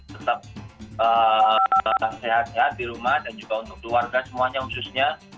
tetap sehat sehat di rumah dan juga untuk keluarga semuanya khususnya